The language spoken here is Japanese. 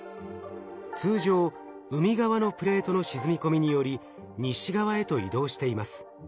通常海側のプレートの沈み込みにより西側へと移動しています。